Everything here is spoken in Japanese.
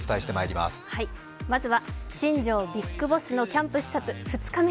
まずは新庄ビッグボスのキャンプ視察３日目。